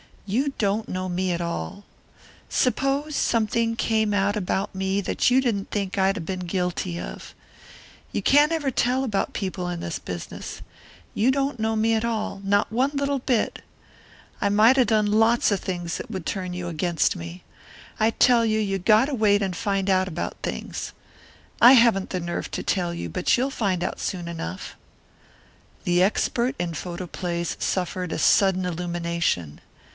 You don't know me at all. Suppose something came out about me that you didn't think I'd 'a' been guilty of. You can't ever tell about people in this business. You don't know me at all not one little bit. I might 'a' done lots of things that would turn you against me. I tell you you got to wait and find out about things. I haven't the nerve to tell you, but you'll find out soon enough " The expert in photoplays suffered a sudden illumination.